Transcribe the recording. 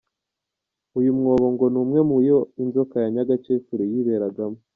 Uyu mwobo ngo ni umwe mu yo inzoka ya Nyagakecuru yiberagamo.